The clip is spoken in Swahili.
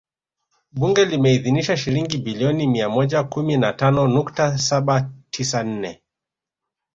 Bunge limeidhinisha Shilingi bilioni mia moja kumi na tano nukta saba tisa nne